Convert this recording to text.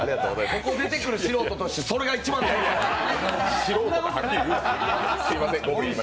ここに出てくる素人としてそれが一番正解です。